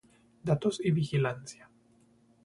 Datos y vigilancia